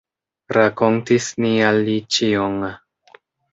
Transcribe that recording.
Rakontis ni al li ĉion.